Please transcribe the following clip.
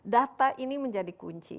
data ini menjadi kunci